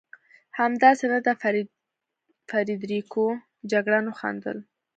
همداسې نه ده فرېدرېکو؟ جګړن وخندل.